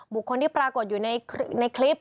บุคคลที่ปรากฏอยู่ในคลิป